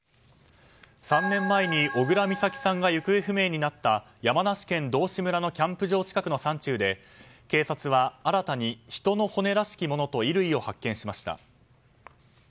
３年前に小倉美咲さんが行方不明になった山梨県道志村のキャンプ場近くの山中で警察は新たに人の骨らしきものと衣類を発見しました。